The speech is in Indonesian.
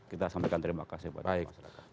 kita sampaikan terima kasih kepada masyarakat